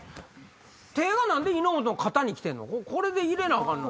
手が何で井本の肩に来てんの？